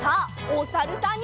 おさるさん。